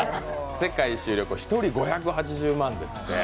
世界一周旅行、１人５８０万ですって。